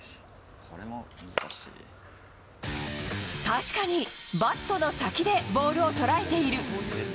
確かに、バットの先でボールを捉えている。